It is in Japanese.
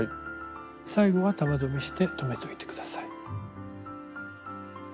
最後は玉留めして留めといて下さい。